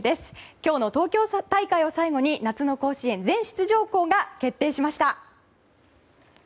今日の東京大会を最後に夏の甲子園全出場校が決定しました。